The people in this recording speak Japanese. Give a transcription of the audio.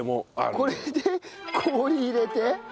これで氷入れて。